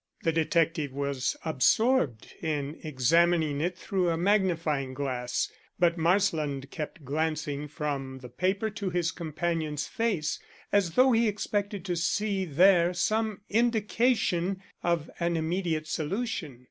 The detective was absorbed in examining it through a magnifying glass, but Marsland kept glancing from the paper to his companion's face, as though he expected to see there some indication of an immediate solution.